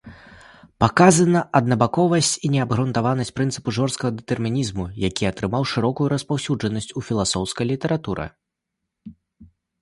Паказана аднабаковасць і неабгрунтаванасць прынцыпу жорсткага дэтэрмінізму, які атрымаў шырокую распаўсюджанасць у філасофскай літаратуры.